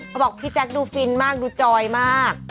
บอกพี่แจ๊คดูฟินมากดูจอยมาก